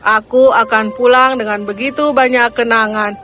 aku akan pulang dengan begitu banyak kenangan